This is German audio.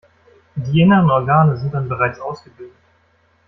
Die inneren Organe sind dann bereits ausgebildet.